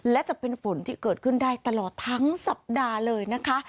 และจะเป็นฝนที่เกิดขึ้นได้ตลอดทั้งสัปดาห์เลยนะคะ